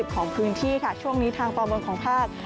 ของพื้นที่ค่ะช่วงนี้ทางตอนบนของภาค